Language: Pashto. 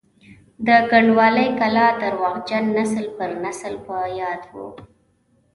د کنډوالې کلا درواغجن نسل پر نسل په یادو وو.